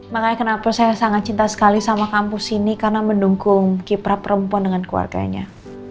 makanya kenapa saya sangat cinta sekali sama kampus ini karena mendukung kiprah perempuan dengan keluarganya